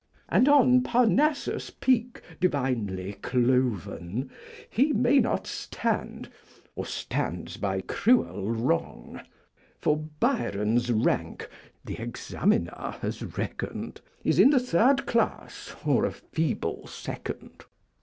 And on Parnassus' peak, divinely cloven, He may not stand, or stands by cruel wrong; For Byron's rank (the Examiner has reckoned) Is in the third class or a feeble second.